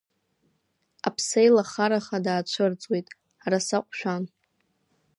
Аԥсеилахараха, даацәырҵуеит, раса ҟәшәан!